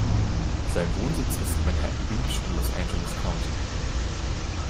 Sein Wohnsitz ist Manhattan Beach im Los Angeles County.